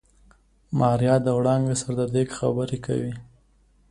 ماريا د وړانګې سره د ديګ خبرې وکړې.